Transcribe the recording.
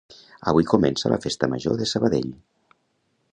Avui comença la festa major de Sabadell